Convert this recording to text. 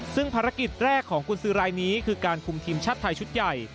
ซึ่งภารกิจแรกของกุญสือรายนี้คือการคุมทีมชาติไทยชุดใหญ่